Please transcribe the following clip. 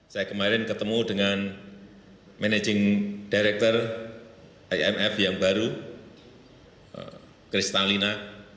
saya kemarin ketemu dengan managing director imf yang baru kristalina